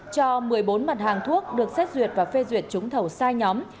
cho một mươi bốn mặt hàng thuốc được xét duyệt và phê duyệt chúng thẩu sai nhóm